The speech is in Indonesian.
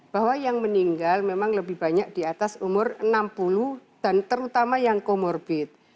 bahwa yang meninggal memang lebih banyak di atas umur enam puluh dan terutama yang comorbid